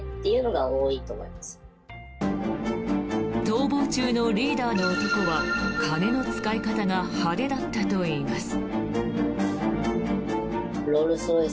逃亡中のリーダーの男は金の使い方が派手だったといいます。